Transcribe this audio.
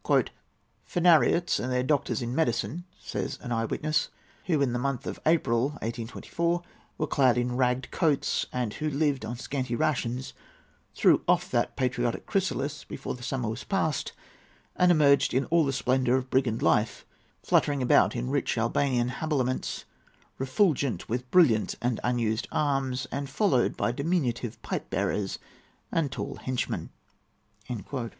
"Phanariots and doctors in medicine," says an eye witness, "who, in the month of April, 1824, were clad in ragged coats, and who lived on scanty rations, threw off that patriotic chrysalis before summer was past, and emerged in all the splendour of brigand life, fluttering about in rich Albanian habiliments, refulgent with brilliant and unused arms, and followed by diminutive pipe bearers and tall henchmen."[A] [Footnote A: Finky, vol. ii. p. 39.